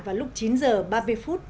vào lúc chín h ba mươi phút